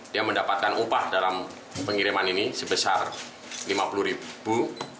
dia mendapatkan upah dalam pengiriman ini sebesar lima puluh ribu